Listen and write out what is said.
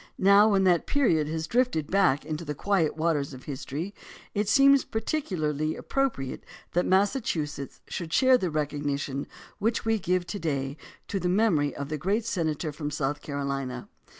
Now, when that period has drifted back into the quiet waters of history, it seems particularly appropriate that Massachusetts should share in the recognition which we give to day to the memory of the great senator from South Carolina.